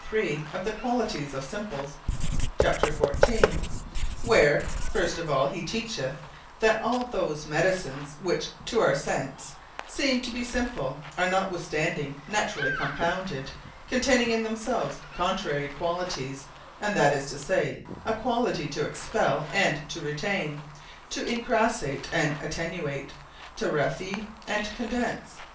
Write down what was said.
3._ of the qualities of Simples, c. 14. Where, first of all he teacheth, that almost all those Medicines, which, to our sence, seeme to be Simple, are notwithstanding naturally Compounded, containing in themselves contrary qualities; and that is to say, a quality to expell, and to retaine; to incrassate, and attenuate; to rarifie, and to condense.